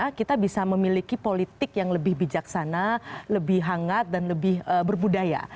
karena kita bisa memiliki politik yang lebih bijaksana lebih hangat dan lebih berbudaya